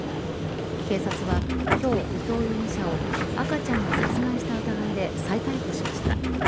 警察は今日、伊藤容疑者を赤ちゃんを殺害した疑いで再逮捕しました。